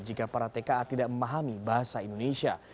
jika para tka tidak memahami bahasa indonesia